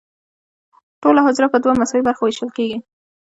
ټوله حجره په دوه مساوي برخو ویشل کیږي.